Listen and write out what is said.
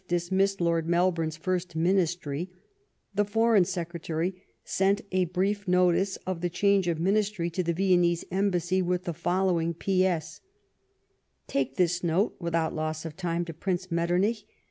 dismissed Lord Melbourne's first Ministry, the Foreign Secretary sent a brief notice of the change of Ministry to the Viennese embassy, with the following P.S.: — "Take this note, without loss of time, to Prince Metternich.